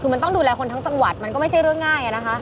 คือมันต้องดูแลคนทั้งจังหวัดมันก็ไม่ใช่เรื่องง่ายนะคะ